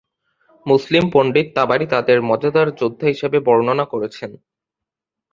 মুসলিম পণ্ডিত তাবারি তাদের মজাদার যোদ্ধা হিসাবে বর্ণনা করেছেন।